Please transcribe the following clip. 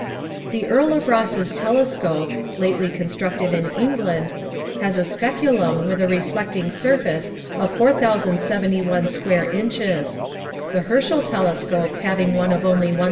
The Earl of Ross's telescope, lately constructed in England, has a speculum with a reflecting surface of 4,071 square inches; the Herschel telescope having one of only 1,811.